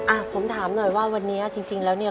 อ่ะผมถามหน่อยว่าวันนี้จริงแล้วเนี่ย